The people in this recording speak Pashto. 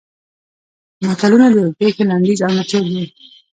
متلونه د یوې پېښې لنډیز او نچوړ دي